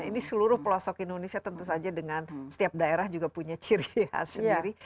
ini seluruh pelosok indonesia tentu saja dengan setiap daerah juga punya ciri khas sendiri